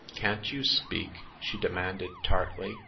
Can't you speak ?" she demanded, tartly.